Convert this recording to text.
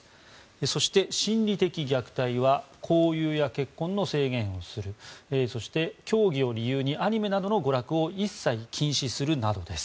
そして、心理的虐待は交友や結婚の制限をするそして教義を理由にアニメなどの娯楽を一切禁止するなどです。